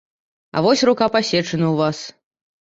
А вось рука пасечана ў вас.